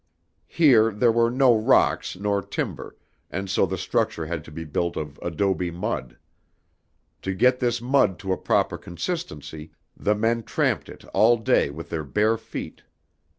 Here there were no rocks nor timber, and so the structure had to be built of adobe mud. To get this mud to a proper consistency, the men tramped it all day with their bare feet.